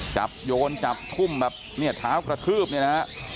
โยนจับทุ่มแบบเนี่ยเท้ากระทืบเนี่ยนะฮะ